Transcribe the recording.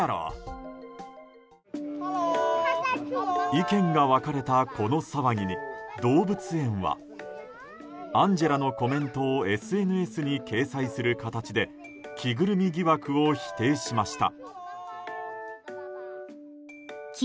意見が分かれたこの騒ぎに動物園はアンジェラのコメントをＳＮＳに掲載する形で着ぐるみ疑惑を否定しました。